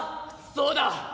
「そうだ！